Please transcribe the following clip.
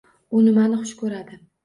U nimani xush koʻradi.